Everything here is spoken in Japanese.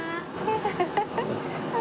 フフフッ。